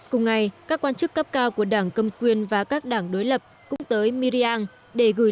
cùng ngày các quan chức cấp cao của đảng cầm quyền và các đảng đối lập cũng tới miriang để gửi